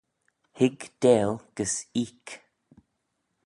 Hig daill gys eeck